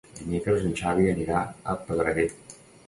Dimecres en Xavi anirà a Pedreguer.